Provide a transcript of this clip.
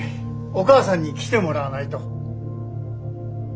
お母さんに来てもらわないと。